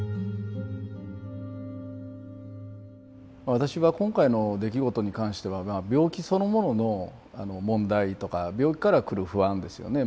私は今回の出来事に関しては病気そのものの問題とか病気からくる不安ですよね